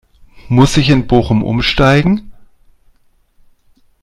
Muss ich in Bochum Umsteigen?